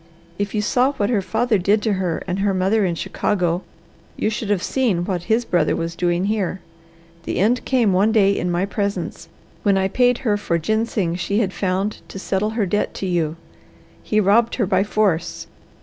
If you saw what her father did to her and her mother in Chicago, you should have seen what his brother was doing here. The end came one day in my presence, when I paid her for ginseng she had found to settle her debt to you. He robbed her by force.